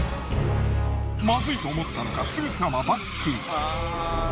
まずいと思ったのかすぐさまバック。